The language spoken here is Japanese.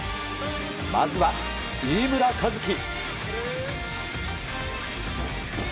まずは、飯村一樹。